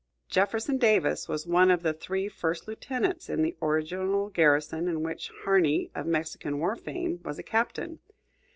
Jefferson Davis was one of the three first lieutenants in the original garrison, in which Harney, of Mexican war fame, was a captain.